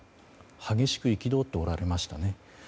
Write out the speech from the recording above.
激しく憤っておられましたね。